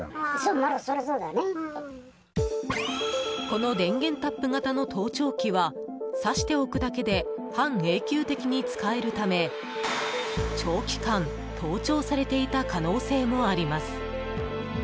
この電源タップ型の盗聴器は挿しておくだけで半永久的に使えるため長期間、盗聴されていた可能性もあります。